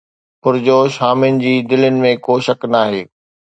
پرجوش حامين جي دلين ۾ ڪو شڪ ناهي